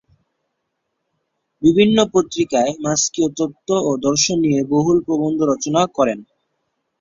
বিভিন্ন পত্রিকায় মার্ক্সীয় তত্ত্ব ও দর্শন নিয়ে বহু প্রবন্ধ রচনা করেন।